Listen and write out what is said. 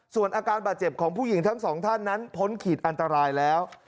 ส่วนอาการบาดเจ็บของผู้หญิงทั้งสองท่านนั้นพ้นขีดอันตรายแล้ว